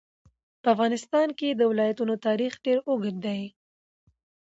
په افغانستان کې د ولایتونو تاریخ ډېر اوږد دی.